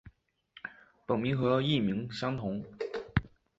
本名和艺名相同。